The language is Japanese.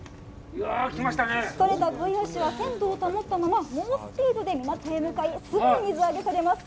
取れた小イワシは鮮度を保ったまま猛スピードで港へ向かい、すぐに水揚げされます。